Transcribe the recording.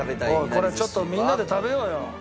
これちょっとみんなで食べようよ。